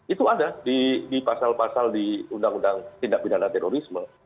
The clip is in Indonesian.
itu ada di pasal pasal di undang undang tindak pidana terorisme